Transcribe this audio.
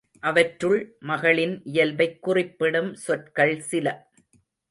அவற்றுள் மகளின் இயல்பைக் குறிப்பிடும் சொற்கள் சில.